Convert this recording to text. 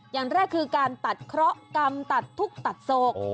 อย่างแรกคือการตัดเคราะห์กรรมตัดทุกข์ตัดโศก